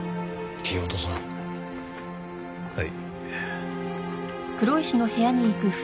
はい。